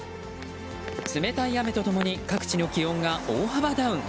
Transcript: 冷たい雨と共に各地の気温が大幅ダウン。